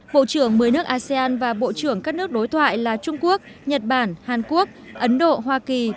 bộ trưởng mới nước asean và bộ trưởng các nước đối thoại là trung quốc nhật bản hàn quốc ấn độ hoa kỳ